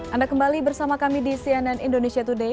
anda kembali bersama kami di cnn indonesia today